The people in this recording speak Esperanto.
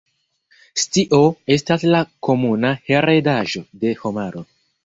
Scio estas la komuna heredaĵo de homaro.